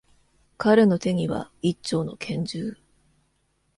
彼の手には、一丁の拳銃。